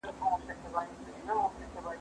زه بايد بوټونه پاک کړم.